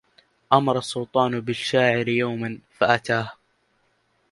أمر السلطان بالشاعر يوما فأتاه